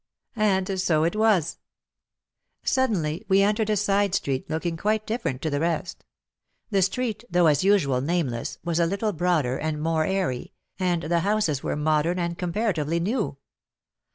And so it was. Suddenly we entered a side street looking quite different to the rest. The street, though as usual nameless, was a little broader and more airy, and the houses were modern and comparatively new.